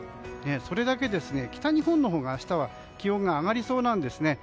それだけ北日本のほうが明日は気温が上がりそうなんですね。